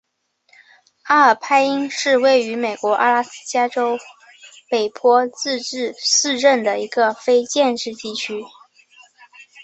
阿尔派因是位于美国阿拉斯加州北坡自治市镇的一个非建制地区。